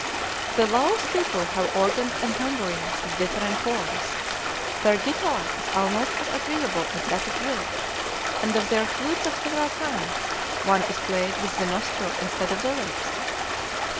The Laos people have organs and tambourines of different forms; their guitar is almost as agreeable as that of Europe; and of their flutes of several kinds, one is played with the nostril instead of the lips.